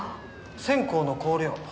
線香の香料。